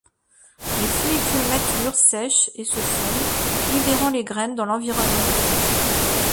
Les follicules matures sèchent et se fendent, libérant les graines dans l'environnement proche.